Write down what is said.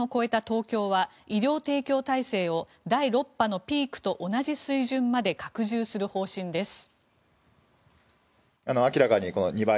東京は医療提供体制を第６波のピークと同じ水準まで拡充する方針です。